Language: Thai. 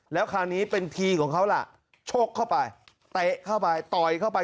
แล้วคราวนี้เป็นทีของเขาล่ะชกเข้าไปเตะเข้าไปต่อยเข้าไป